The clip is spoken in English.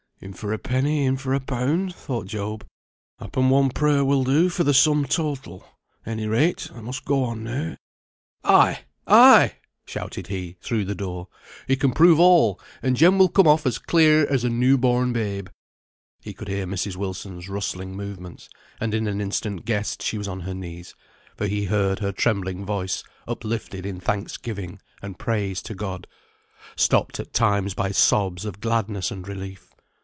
"In for a penny, in for a pound," thought Job. "Happen one prayer will do for the sum total. Any rate, I must go on now. Ay, ay," shouted he, through the door. "He can prove all; and Jem will come off as clear as a new born babe." He could hear Mrs. Wilson's rustling movements, and in an instant guessed she was on her knees, for he heard her trembling voice uplifted in thanksgiving and praise to God, stopped at times by sobs of gladness and relief.